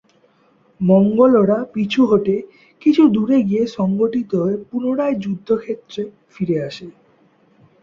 মঙ্গোলরা পিছু হটে কিছু দূরে গিয়ে সংগঠিত হয়ে পুনরায় যুদ্ধক্ষেত্রে ফিরে আসে।